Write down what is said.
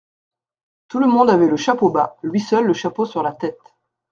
Tout le monde avait le chapeau bas, lui seul le chapeau sur la tête.